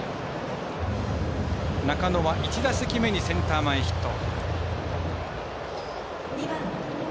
中野は１打席目にセンター前ヒット。